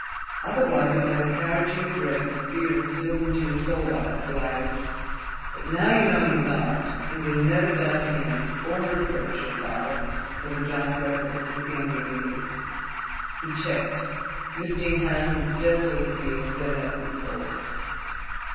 Otherwise you might have carried to your grave the fear instilled into your soul by that blackguard. But now you know he lied, and will never doubt again—or reproach your father for the dark record of his younger years." He checked, lifting hands of desolate appeal, then let them fall.